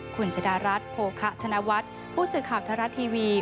ขุนจรรย์รัฐโพคะธนวัตรผู้สื่อข่าวธนรัฐทีวี